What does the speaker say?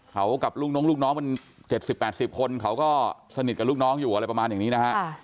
เขากับลูกน้องลูกน้องมัน๗๐๘๐คนเขาก็สนิทกับลูกน้องอยู่อะไรประมาณอย่างนี้นะฮะ